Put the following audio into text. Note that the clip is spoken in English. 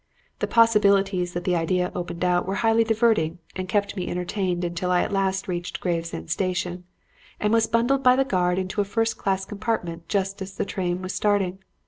The possibilities that the idea opened out were highly diverting and kept me entertained until I at last reached Gravesend Station and was bundled by the guard into a first class compartment just as the train was starting.